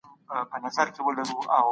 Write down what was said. هغه بدلونونه چې ګړندي دي اغېزې لري.